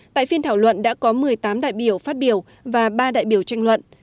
tại phiên thảo luận đã có một mươi tám đại biểu phát biểu và ba đại biểu tranh luận